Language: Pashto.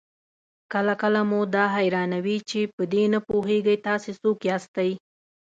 کله کله مو دا حيرانوي چې په دې نه پوهېږئ تاسې څوک ياستئ؟